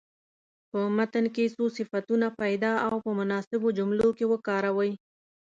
په متن کې څو صفتونه پیدا او په مناسبو جملو کې وکاروئ.